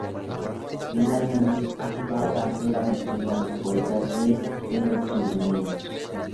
Finalmente, hace falta hacer alusión a los poetas del Rexurdimento.